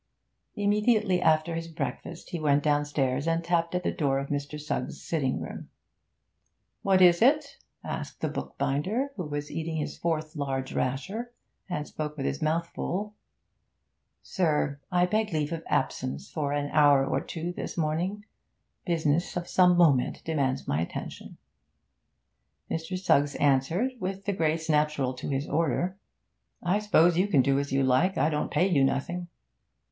Immediately after his breakfast he went downstairs and tapped at the door of Mr. Suggs' sitting room. 'What is it?' asked the bookbinder, who was eating his fourth large rasher, and spoke with his mouth full. 'Sir, I beg leave of absence for an hour or two this morning. Business of some moment demands my attention.' Mr. Suggs answered, with the grace natural to his order, 'I s'pose you can do as you like. I don't pay you nothing.'